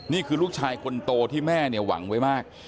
นี่คือลูกชายคนโตที่แม่เนี่ยหวังไว้มาก